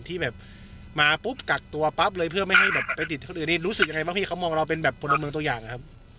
ที่แบบมาปุ๊บกักตัวปั๊บเลยเพื่อไม่ให้แบบไปติดคนอื่นได้รู้สึกยังไงบ้างพี่เขามองเราเป็นแบบพลเมืองตัวอย่างนะครับ